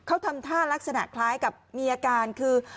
เขาทำท่ารักษณะคล้ายกับมีอาการคือ